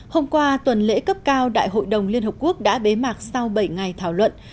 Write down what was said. hôm qua tuần lễ cấp cao đại hội đồng liên hợp quốc đã bế mạc sau bảy ngày thảo luận